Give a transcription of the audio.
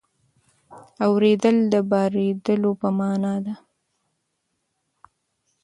اورېدل د بارېدلو په مانا ده.